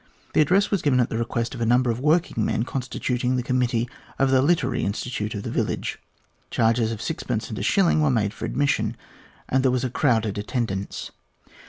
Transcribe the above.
The address was given at the request of a number of working men constituting the committee of the literary institute of the village. Charges of sixpence and a shilling were made for admission, and there was a crowded attendance.